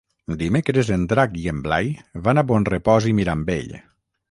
Dimecres en Drac i en Blai van a Bonrepòs i Mirambell.